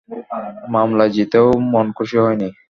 মামলায় জিতেও মন খুশী হয়নি?